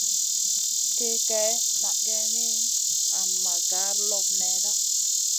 Ki kaï na geyni, nan ma gar loɓ nèhda.